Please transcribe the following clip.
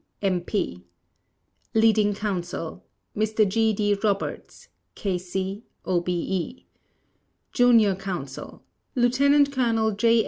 K.C., M.P. LEADING COUNSEL: Mr. G. D. Roberts, K.C., O.B.E. JUNIOR COUNSEL: Lieutenant Colonel J.